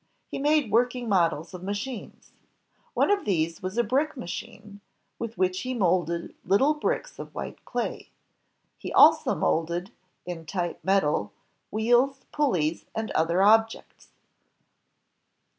He made working models of machines. One of these was a brick machine, with which he molded little bricks of white clay. He also molded, in type metal, wheels, pulleys, and other objects.